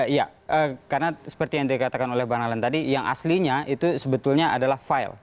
iya karena seperti yang dikatakan oleh bang nalan tadi yang aslinya itu sebetulnya adalah file